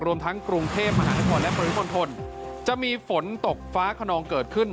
รวมทั้งกรุงเทพมหานครและปริมณฑลจะมีฝนตกฟ้าขนองเกิดขึ้น